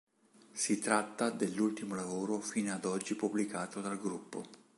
Si tratta dell'ultimo lavoro fino ad oggi pubblicato dal gruppo.